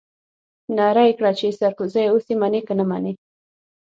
نعره يې کړه چې سرکوزيه اوس يې منې که نه منې.